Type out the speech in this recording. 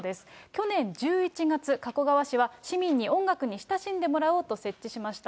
去年１１月、加古川市は、市民に音楽に親しんでもらおうと設置しました。